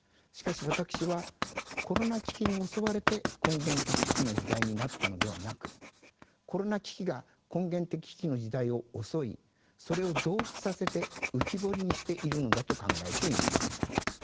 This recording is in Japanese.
しかし私はコロナ危機に襲われて根源的危機の時代になったのではなくコロナ危機が根源的危機の時代を襲いそれを増幅させて浮き彫りにしているのだと考えています。